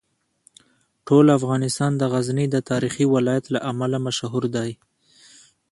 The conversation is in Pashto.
ټول افغانستان د غزني د تاریخي ولایت له امله مشهور دی.